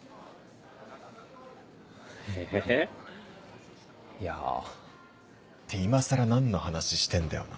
えいやぁ。って今更何の話してんだよな。